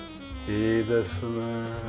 いいですね。